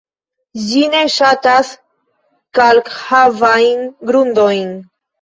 Ĝi ne ŝatas kalkhavajn grundojn.